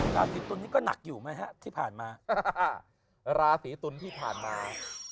ราศีตุลนี้ก็หนักอยู่ไหมฮะที่ผ่านมาราศีตุลที่ผ่านมา